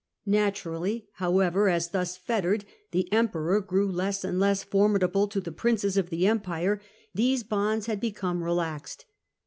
Naturally, however, as, thus fettered, the Emperor grew less and less formidable to the Princes of the Empire, these bonds had become relaxed.